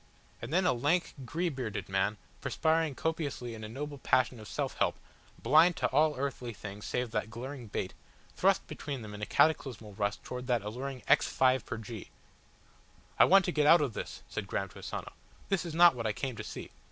And then a lank, grey bearded man, perspiring copiously in a noble passion of self help, blind to all earthly things save that glaring bait, thrust between them in a cataclysmal rush towards that alluring "X 5 pr. G." "I want to get out of this," said Graham to Asano. "This is not what I came to see.